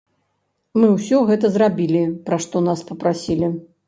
Мы ўсё гэта зрабілі, пра што нас папрасілі.